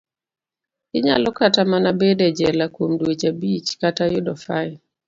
Inyalo kata mana bedo e jela kuom dweche abich, kata yudo fain.